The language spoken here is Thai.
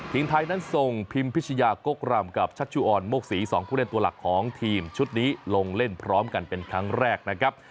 ทีมไทยนั้นส่งพิมพิชยากกรำกับชัชชุออนโมกศรี๒ผู้เล่นตัวหลักของทีมชุดนี้ลงเล่นพร้อมกันเป็นครั้งแรกนะครับ